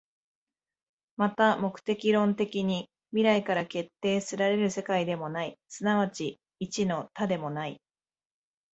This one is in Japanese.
また目的論的に未来から決定せられる世界でもない、即ち一の多でもない。